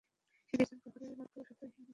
সে নির্জন দ্বিপ্রহরের মতো শব্দহীন এবং সঙ্গীহীন।